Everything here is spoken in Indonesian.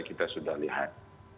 kita sudah lihat